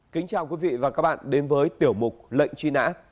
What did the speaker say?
kính chào quý vị và các bạn đến với tiểu mục lệnh truy nã